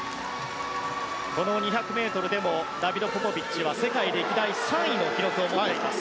この２００ｍでもダビド・ポポビッチは世界歴代３位の記録を持っています。